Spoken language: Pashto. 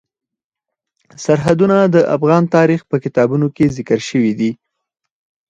سرحدونه د افغان تاریخ په کتابونو کې ذکر شوی دي.